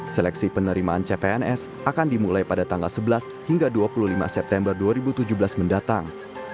seleksi penerimaan cpns akan dimulai pada tanggal sebelas hingga dua puluh lima september dua ribu tujuh belas mendatang